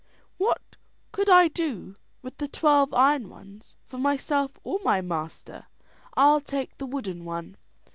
"What could I do with the twelve iron ones for myself or my master? I'll take the wooden one."